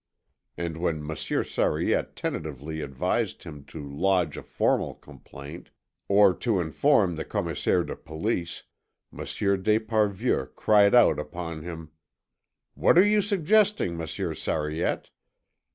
And when Monsieur Sariette tentatively advised him to lodge a formal complaint or to inform the Commissaire de Police, Monsieur d'Esparvieu cried out upon him: "What are you suggesting, Monsieur Sariette?